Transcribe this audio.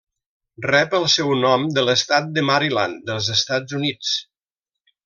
Rep el seu nom de l'estat de Maryland dels Estats Units.